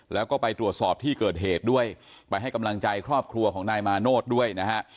แล้วก็ไปตรวจสอบที่เกิดเหตุด้วยไปให้กำลังใจครอบครัวของนายมาโนธด้วยนะฮะ